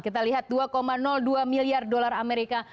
kita lihat dua dua miliar dolar amerika